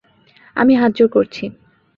আমি হাতজোড় করছি!